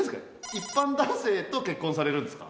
一般男性と結婚されるんですか？